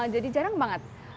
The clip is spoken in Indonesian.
jadi jarang banget